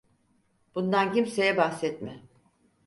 Bundan kimseye bahsetme.